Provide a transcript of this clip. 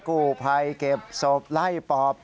กู้ภัยเก็บศพไล่ปอบ